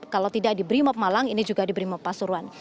kalau tidak di brimob malang ini juga di brimob pasuruan